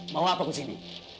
mau apa kesini